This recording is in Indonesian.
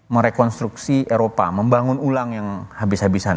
merekonstruksi eropa membangun ulang yang habis habisan